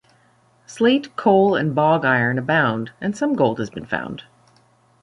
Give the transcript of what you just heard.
Slate, coal, and bog iron abound; and some gold has been found.